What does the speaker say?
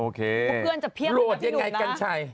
โอเครวดยังไงกันใช่